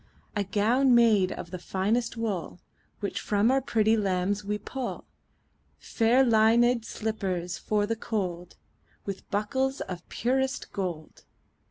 A gown made of the finest wool Which from our pretty lambs we pull; Fair linèd slippers for the cold, 15 With buckles of the purest gold.